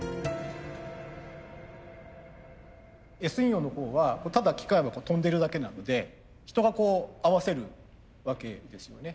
Ｓ陽のほうはただ機械が跳んでるだけなので人がこう合わせるわけですよね。